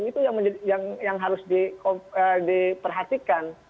itu yang harus diperhatikan